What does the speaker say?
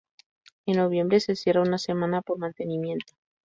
En noviembre se cierra una semana por mantenimiento.